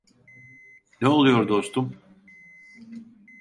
Ne oluyor dostum?